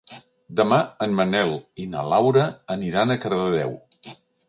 Demà en Manel i na Laura aniran a Cardedeu.